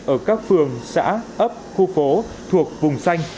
ở các phường xã ấp khu phố thuộc vùng xanh